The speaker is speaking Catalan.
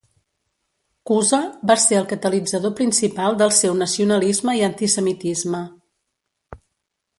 Cuza va ser el catalitzador principal del seu nacionalisme i antisemitisme.